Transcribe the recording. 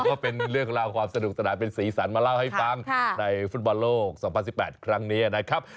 ก็เป็นเรื่องราวความสนุกสนานเป็นสีสันมาเล่าให้ฟังในฟุตบอลโลก๒๐๑๘ครั้งนี้นะครับ